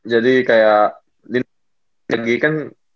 jadi kayak di negeri kan minggu kita lagi